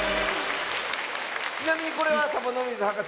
ちなみにこれはサボノミズはかせ